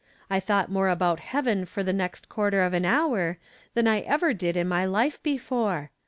I thought more about heaven for the next quarter of an hour than I ever did in my life before.